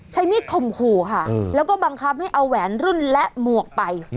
ใช้มีดข่มขู่ค่ะแล้วก็บังคับให้เอาแหวนรุ่นและหมวกไป